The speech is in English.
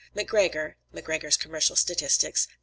Macgregor [Macgregor's Commercial Statistics.